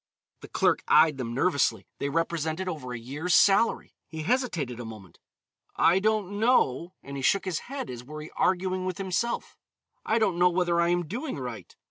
The clerk eyed them nervously. They represented over a year's salary. He hesitated a moment, "I don't know," and he shook his head, as were he arguing with himself "I don't know whether I am doing right."